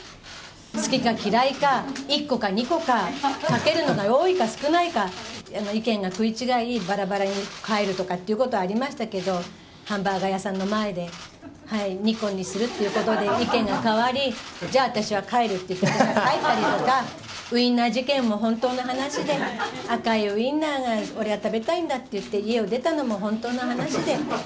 好きか嫌いか、１個か２個か、かけるのが多いか少ないか、意見が食い違い、ばらばらに帰るとかっていうことはありましたけど、ハンバーガー屋さんの前で２個にするっていうことで意見が変わり、じゃあ、私は帰るっていうことで帰ったりとか、ウインナー事件も本当の話で、赤いウインナーが俺は食べたいんだって言って家を出たのも本当の話で。